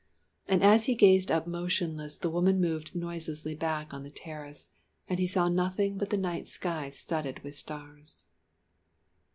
And as he gazed up motionless the woman moved noiselessly back on to the terrace, and he saw nothing but the night sky studded with stars.